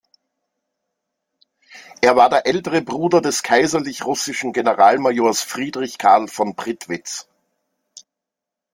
Er war der ältere Bruder des kaiserlich russischen Generalmajors Friedrich Karl von Prittwitz.